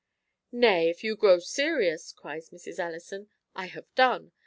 "Nay, if you grow serious," cries Mrs. Ellison, "I have done.